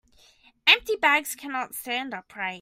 Empty bags cannot stand upright.